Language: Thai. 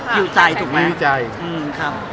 อยู่ใจถูกไหมอยู่ใจครับ